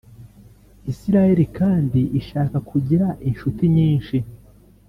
Israel kandi ishaka kugira inshuti nyinshi